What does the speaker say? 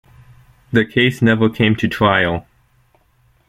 The case never came to trial.